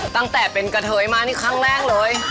ตั้งแต่เป็นกะเทยมานี่ครั้งแรกเลย